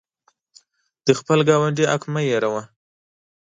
د خپل ګاونډي حق مه هیروه.